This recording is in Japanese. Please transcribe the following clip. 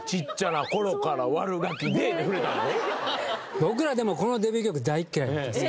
僕らでもこのデビュー曲大嫌いだったんですよ。